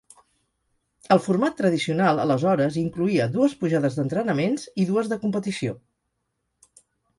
El format tradicional aleshores incloïa dues pujades d'entrenaments i dues de competició.